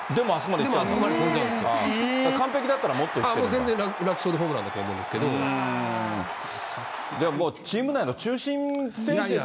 でもあそこまで飛んじゃうん完璧だったらもっといってる全然楽勝でホームランだと思もうチーム内の中心選手です